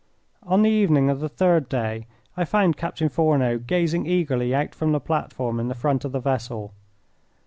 On the evening of the third day I found Captain Fourneau gazing eagerly out from the platform in the front of the vessel.